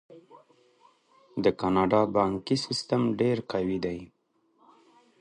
د کاناډا بانکي سیستم ډیر قوي دی.